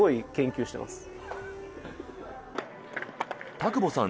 田久保さん